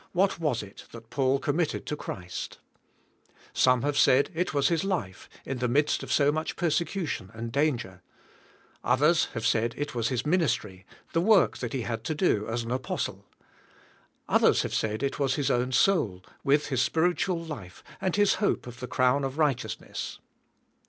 What was it that Paul committed to Christ? Some have said 2lS "fHE SPIRll'UAt ttF^. it was his life, in the midst of so much persecution and danger; others have said it was his ministry, the work that he had to do, as an apostle; others have said it was his own soul, with his spiritual life and his hope of the crown of righteousness.